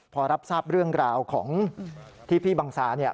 พอรับทราบเรื่องราวของที่พี่บังซาเนี่ย